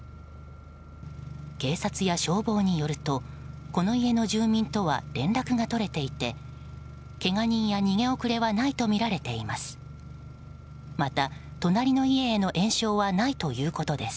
警察や消防によるとこの家の住民とは連絡が取れていてけが人や、逃げ遅れはないとみられています。